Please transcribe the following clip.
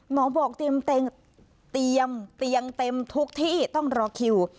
หมอบอกเตรียมเต็มเตรียมเตรียมเต็มทุกที่ต้องรอคิว